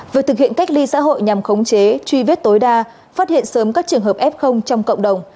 việc thực hiện cách ly xã hội nhằm khống chế truy vết tối đa phát hiện sớm các trường hợp f trong cộng đồng